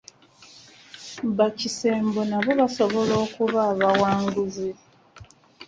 Ba kisembo nabo basobola okuba abawanguzi.